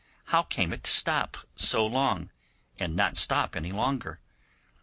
How came it to stop so long, and not stop any longer?